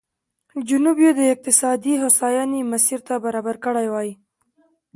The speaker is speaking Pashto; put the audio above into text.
جنوب یې د اقتصادي هوساینې مسیر ته برابر کړی وای.